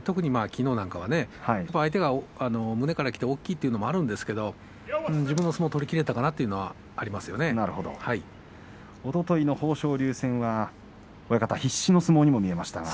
特にきのうなんかはね相手が胸からきて、大きいということもあるんですが自分の相撲取りきれたかなということがおとといの豊昇龍戦が必死の相撲にも見えましたが。